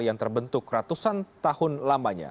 yang terbentuk ratusan tahun lamanya